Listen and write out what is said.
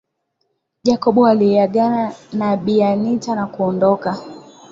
Jacob aliagana na Bi Anita na kuondoka